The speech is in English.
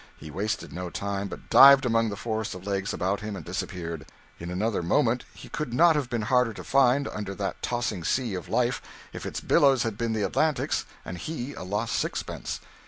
He wasted no time, but dived among the forest of legs about him and disappeared. In another moment he could not have been harder to find, under that tossing sea of life, if its billows had been the Atlantic's and he a lost sixpence.